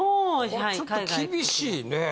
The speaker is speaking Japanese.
ちょっと厳しいねぇ。